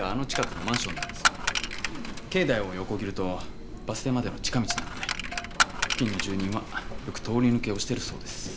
境内を横切るとバス停までの近道なので付近の住人はよく通り抜けをしてるそうです。